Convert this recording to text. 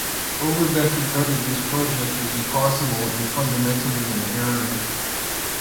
Overbeck regarded this project as impossible and fundamentally in error.